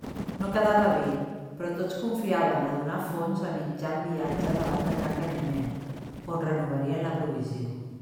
No quedava vi, però tots confiaven a donar fons a mitjan viatge davant de ca Canyamel, on renovarien la provisió.